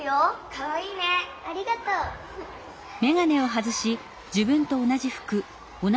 かわいいね。ありがとうフフッ。